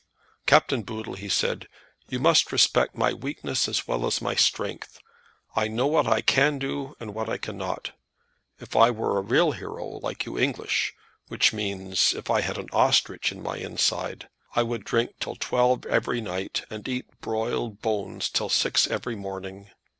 "Captain Boodle," he said, "you must respect my weakness as well as my strength. I know what I can do, and what I cannot. If I were a real hero, like you English, which means, if I had an ostrich in my inside, I would drink till twelve every night, and eat broiled bones till six every morning.